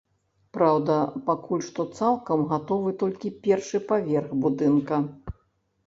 Праўда, пакуль што цалкам гатовы толькі першы паверх будынка.